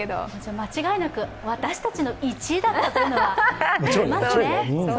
間違いなく、私たちの１位だったというのはありますね。